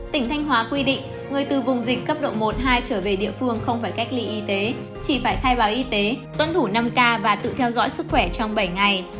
tỉnh thanh hóa quy định người từ vùng dịch cấp độ một hai trở về địa phương không phải cách ly y tế chỉ phải khai báo y tế tuân thủ năm k và tự theo dõi sức khỏe trong bảy ngày